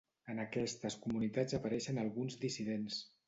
En aquestes comunitats apareixen alguns dissidents.